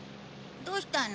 どうしたの？